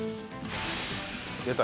出た！